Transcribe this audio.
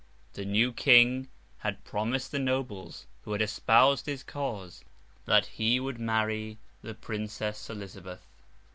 The new King had promised the nobles who had espoused his cause that he would marry the Princess Elizabeth.